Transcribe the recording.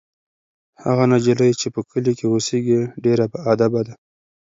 هغه نجلۍ چې په کلي کې اوسیږي ډېره باادبه ده.